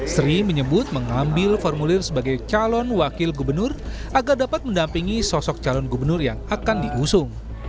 sri menyebut mengambil formulir sebagai calon wakil gubernur agar dapat mendampingi sosok calon gubernur yang akan diusung